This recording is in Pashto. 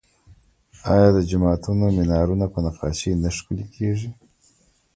آیا د جوماتونو مینارونه په نقاشۍ نه ښکلي کیږي؟